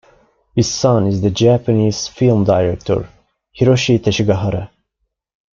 His son is the Japanese film director Hiroshi Teshigahara.